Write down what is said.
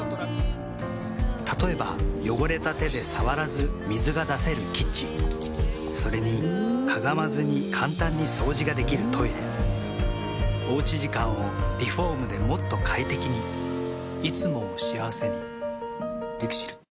例えば汚れた手で触らず水が出せるキッチンそれにかがまずに簡単に掃除ができるトイレおうち時間をリフォームでもっと快適にいつもを幸せにＬＩＸＩＬ。